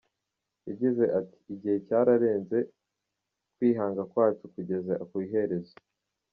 Yagize ati “Igihe cyararenze, kwihanga kwacu kugeze ku iherezo.